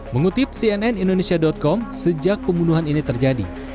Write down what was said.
mengutip cnnindonesia com sejak pembunuhan ini terjadi